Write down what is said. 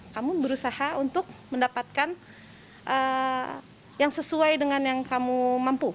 kamu berusaha untuk mendapatkan yang sesuai dengan yang kamu mampu